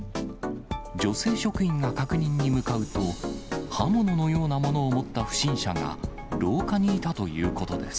女性職員が確認に向かうと、刃物のようなものを持った不審者が廊下にいたということです。